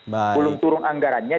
belum turun anggarannya